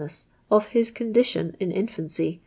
s i;!" his condition in infancy.